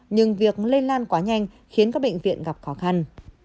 nhưng việc lây lan quá nhanh khiến các bệnh viện gặp khó khăn